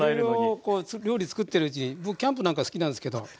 まあいろいろ料理作ってるうちに僕キャンプなんか好きなんですけど。